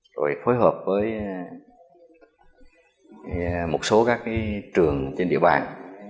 rồi phối hợp với một số các trường trên địa bàn